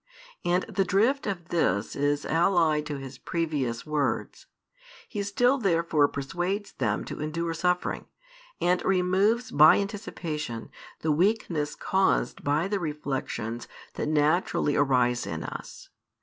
And the drift of this is allied to His previous words. He still therefore persuades them to endure suffering, and removes by anticipation the weakness caused by the reflections that naturally arise in us.